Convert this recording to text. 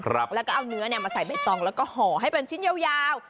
และเอาเนื้อมาใส่ใบตองแล้วก็ห่อให้เป็นชิ้นยาว